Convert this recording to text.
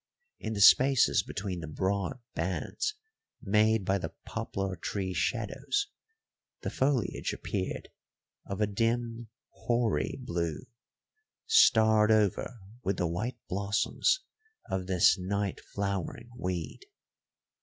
In the spaces between the broad bands made by the poplar tree shadows, the foliage appeared of a dim, hoary blue, starred over with the white blossoms of this night flowering weed.